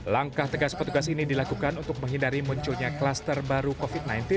langkah tegas petugas ini dilakukan untuk menghindari munculnya kluster baru covid sembilan belas